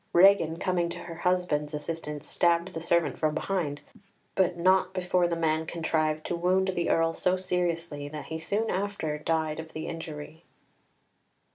Regan, coming to her husband's assistance, stabbed the servant from behind, but not before the man contrived to wound the Earl so seriously that he soon after died of the injury.